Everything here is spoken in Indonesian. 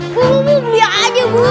bu bu latter aja bu